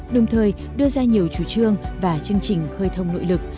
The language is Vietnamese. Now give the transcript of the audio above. đồng thời đưa ra nhiều chủ trương và chương trình khơi thông nội lực